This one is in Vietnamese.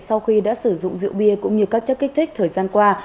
sau khi đã sử dụng rượu bia cũng như các chất kích thích thời gian qua